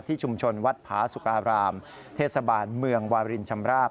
ชุมชนวัดผาสุการามเทศบาลเมืองวารินชำราบ